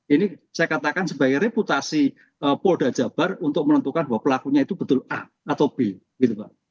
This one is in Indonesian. ini saya katakan sebagai reputasi polda jabar untuk menentukan bahwa pelakunya itu betul a atau b gitu pak